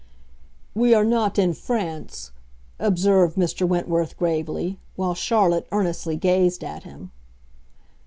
"We are not in France," observed Mr. Wentworth, gravely, while Charlotte earnestly gazed at him.